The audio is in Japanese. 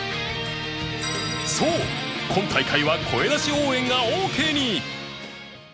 そう今大会は声出し応援がオーケーに！